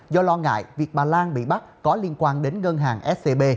do lo ngại việc bà lan bị bắt có liên quan đến ngân hàng scb